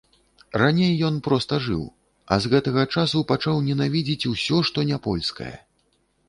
Раней ён проста жыў, а з гэтага часу пачаў ненавідзець усё, што не польскае.